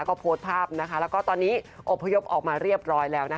ก็โพสต์ภาพแล้วก็ตอนนี้อบพยพออกมาเรียบร้อยแล้วนะคะ